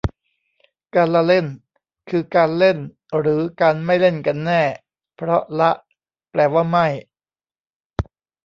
การละเล่น คือการเล่นหรือการไม่เล่นกันแน่ เพราะละแปลว่าไม่